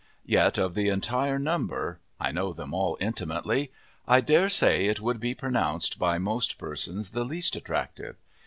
Yet of the entire number I know them all intimately I daresay it would be pronounced by most persons the least attractive.